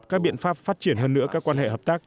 các biện pháp phát triển hơn nữa các quan hệ hợp tác